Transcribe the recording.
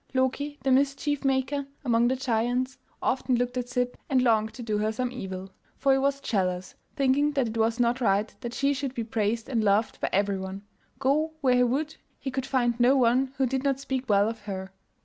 Loki, the mischief maker among the giants, often looked at Sib and longed to do her some evil, for he was jealous, thinking that it was not right that she should be praised and loved by everyone; go where he would he could find no one who did not speak well of her.